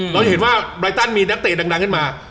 เราจะเห็นว่าไรตันมีนักเตะดังขึ้นมา